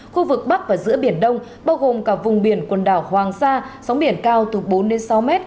khu vực bắc và giữa biển đông bao gồm cả vùng biển quần đảo hoàng sa sóng biển cao từ bốn sáu m